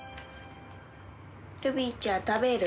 ルビーちゃん食べる？